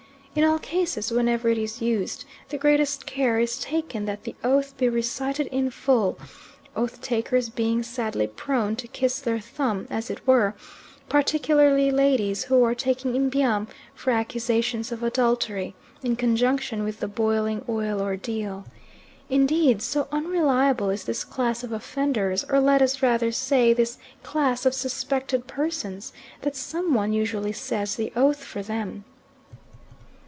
In all cases, whenever it is used, the greatest care is taken that the oath be recited in full, oath takers being sadly prone to kiss their thumb, as it were, particularly ladies who are taking Mbiam for accusations of adultery, in conjunction with the boiling oil ordeal. Indeed, so unreliable is this class of offenders, or let us rather say this class of suspected persons, that some one usually says the oath for them.